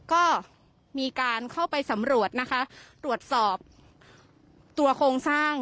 ก็มีการเข้าไปสำรวจนะคะตรวจสอบตัวโครงสร้าง